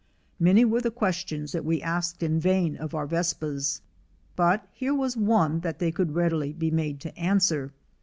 Many were the questions that we asked in vain of our Vespas, but here was one that they could readily be made to answer.